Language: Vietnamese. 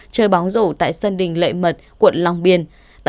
chơi bóng rổ tại sân đình lệ mật quận long biên